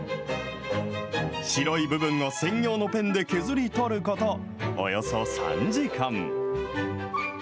白い部分を専用のペンで削り取ることおよそ３時間。